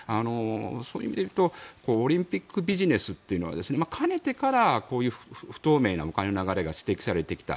そういう意味で言うとオリンピックビジネスというのはかねてからこういう不透明なお金の流れが指摘されてきた。